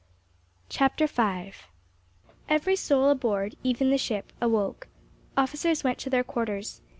CHAPTER V Every soul aboard, even the ship, awoke. Officers went to their quarters.